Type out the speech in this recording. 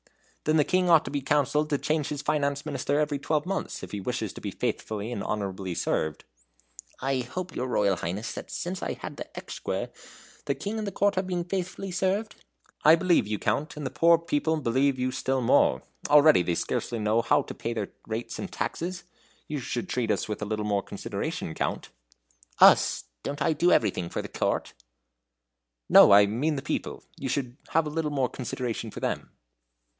"Then the King ought to be counselled to change his finance minister every twelve months, if he wishes to be faithfully and honorably served." "I hope, your Royal Highness, that since I have had the Exchequer, the King and Court have been faithfully served?" "I believe you, Count, and the poor people believe you still more. Already they scarcely know how to pay their rates and taxes. You should treat us with a little more consideration, Count." "Us! don't I do everything for the Court?" "No! I mean the people. You should have a little more consideration for them."